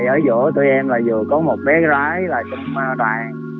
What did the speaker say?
ở giữa tụi em là vừa có một bé gái là trong đoàn